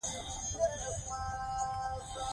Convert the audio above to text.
حاجي مریم اکا راته معلومات ورکوي.